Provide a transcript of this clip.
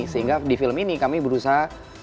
sehingga di film ini kami berusaha